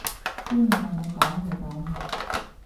先唔係你講嘅噉！